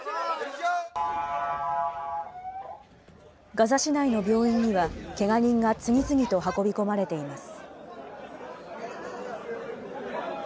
ガザ市内の病院には、けが人が次々と運び込まれています。